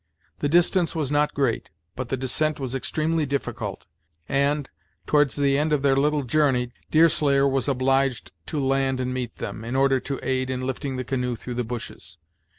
The distance was not great, but the descent was extremely difficult; and, towards the end of their little journey, Deerslayer was obliged to land and meet them, in order to aid in lifting the canoe through the bushes.